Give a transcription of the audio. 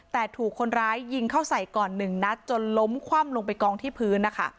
แต่ถูกคนร้ายยิงเข้าใส่ก่อนหนึ่งนัดจนล้มคว่ำลงไปกองที่พื้นนะคะ